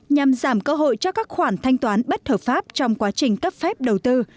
nhằm giảm cơ hội cho các khoản thanh toán bất hợp pháp trong quá trình cấp phép đầu tư